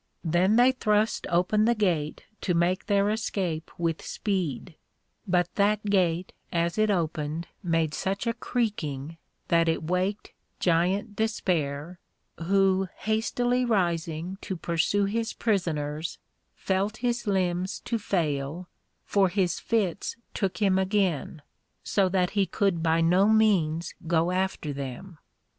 Then they thrust open the Gate to make their escape with speed; but that Gate as it opened made such a creaking, that it waked Giant Despair, who hastily rising to pursue his Prisoners, felt his limbs to fail, for his Fits took him again, so that he could by no means go after them.